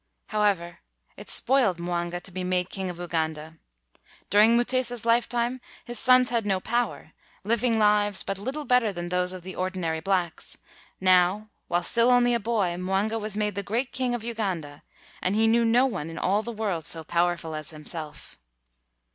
However, it spoiled Mwanga to be made king of Uganda. During Mutesa 's lifetime, his sons had no power, living lives but lit tle better than those of the ordinary blacks ; now, while still only a boy, Mwanga was made the great king of Uganda, and he knew 200 THREE BOY HEROES no one in all the world so powerful as him self.